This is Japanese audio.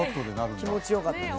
気持ちよかったです。